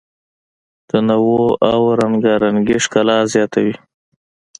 تنوع او رنګارنګي ښکلا زیاتوي.